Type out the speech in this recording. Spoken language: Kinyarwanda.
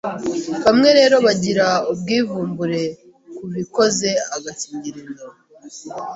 Bamwe rero bagira ubwivumbure ku bikoze agakingirizo